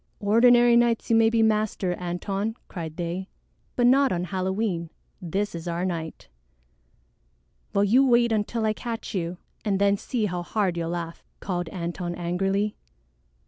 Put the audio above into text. "Ordinary nights you may be master, Antone," cried they, "but not on Halloween. This is our night." "Well, you wait until I catch you and then see how hard you'll laugh," called Antone angrily.